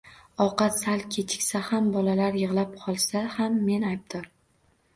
Ovqat sal kechiksa ham, bolalar yig`lab qolsa ham men aybdor